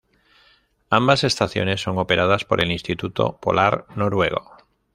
Ambas estaciones son operadas por el Instituto Polar Noruego.